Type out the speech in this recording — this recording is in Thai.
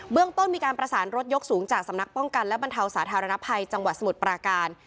เรื่องต้นมีการประสานรถยกสูงจากสำนักป้องกันและบรรเทาสาธารณภัยจังหวัดสมุทรปราการ